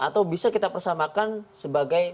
atau bisa kita persamakan sebagai